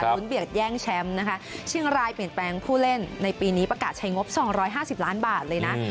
เบียดแย่งแชมป์นะคะเชียงรายเปลี่ยนแปลงผู้เล่นในปีนี้ประกาศใช้งบ๒๕๐ล้านบาทเลยนะ